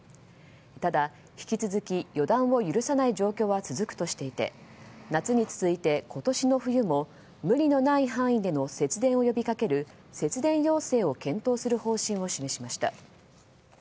ただ、引き続き予断を許さない状況は続くとしていて夏に続いて今年の冬も無理のない範囲での節電を呼びかける、節電要請を検討する方針を示しました。